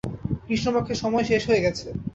কৃষ্ণপক্ষের সময় শেষ হয়ে গেছে।